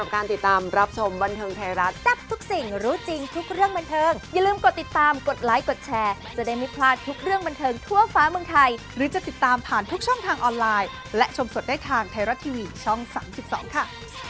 ค่ะมาคุณผู้ชมมาข่าวนี้กันดีกว่า